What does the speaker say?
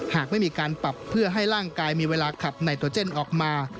หากไม่มีการปรับเพื่อให้ร่างกายมีเวลาขับไนโตเจนออกมา